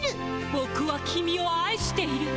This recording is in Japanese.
ボクはキミを愛している。